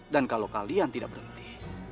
dan kalau kalian tidak berhenti